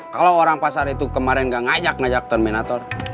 kalau orang pasar itu kemarin gak ngajak ngajak terminator